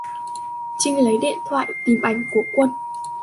Trinh lấy điện thoại Tìm ảnh của quân